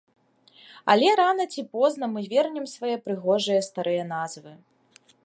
Але рана ці позна мы вернем свае прыгожыя старыя назвы.